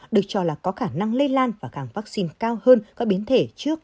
được cho là có khả năng lây lan và càng vaccine cao hơn các biến thể trước